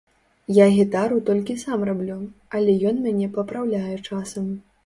Я гітару толькі сам раблю, але ён мяне папраўляе часам.